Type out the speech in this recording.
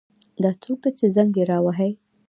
دا څوک ده چې زنګ یې را وهي